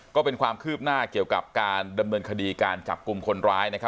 ก็เป็นความคืบหน้าเกี่ยวกับการดำเนินคดีการจับกลุ่มคนร้าย